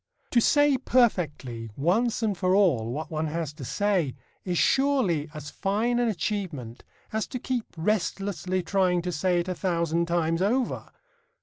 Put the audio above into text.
To say perfectly once and for all what one has to say is surely as fine an achievement as to keep restlessly trying to say it a thousand times over.